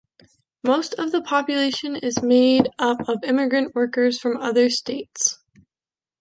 Most of the population is made up of immigrant workers from other states.